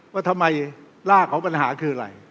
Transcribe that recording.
ว่าทำไมรากของปัญหาคืออะไร